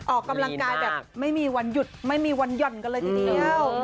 ออกกำลังกายแบบไม่มีวันหยุดไม่มีวันหย่อนกันเลยทีเดียว